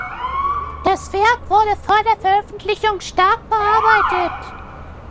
Das Werk wurde vor der Veröffentlichung stark bearbeitet.